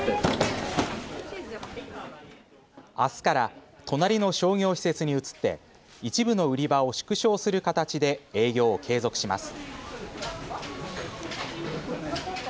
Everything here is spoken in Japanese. あすから隣の商業施設に移って一部の売り場を縮小する形で営業を継続します。